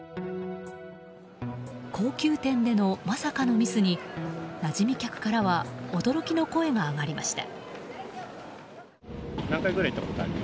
高級店でのまさかのミスになじみ客からは驚きの声が上がりました。